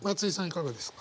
いかがですか？